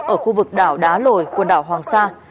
ở khu vực đảo đá lồi quần đảo hoàng sa